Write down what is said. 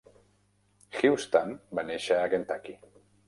Houston va néixer a Kentucky.